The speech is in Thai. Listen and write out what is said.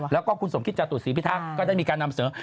แล้วก็คุณสมคิตจตุศรีพิทักษ์ก็ได้มีการนำเสนอ